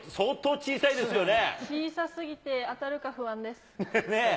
小さすぎて、当たるか不安です。ねぇ。